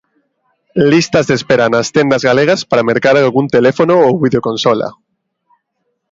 Listas de espera nas tendas galegas para mercar algún teléfono ou videoconsola.